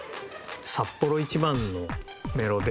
「サッポロ一番」のメロで。